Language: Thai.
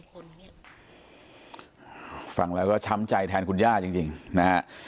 ฟังเลยค่ะก็ช้ำใจแทนคุณย่าจริงนะครับ